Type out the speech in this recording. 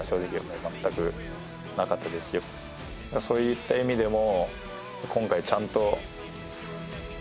そういった意味でも。